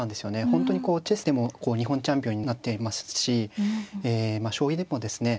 本当にこうチェスでも日本チャンピオンになっていますしえまあ将棋でもですね